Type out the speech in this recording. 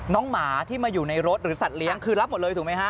หมาที่มาอยู่ในรถหรือสัตว์เลี้ยงคือรับหมดเลยถูกไหมฮะ